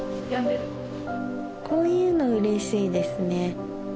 こういうのうれしいですね。